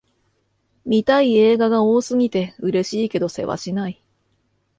見たい映画が多すぎて、嬉しいけどせわしない